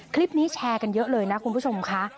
คลิปนี้แชร์กันเยอะเลยนะคุณผู้ชมค่ะ